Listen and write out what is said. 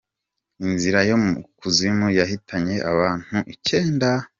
Inzira yo mu kuzimu yahitanye abantu icyenda